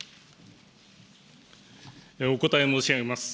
お答え申し上げます。